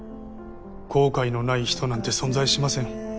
後悔のない人なんて存在しません。